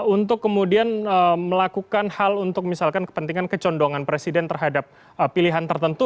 untuk kemudian melakukan hal untuk misalkan kepentingan kecondongan presiden terhadap pilihan tertentu